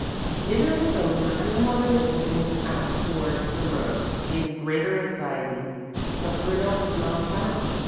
Dinner was over and the mother was looking out towards the road in greater anxiety, but Bruno had not come.